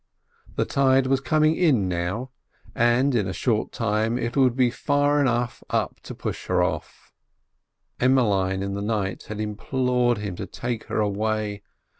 The tide was coming in now, and in a short time it would be far enough up to push her off. Emmeline in the night had implored him to take her away.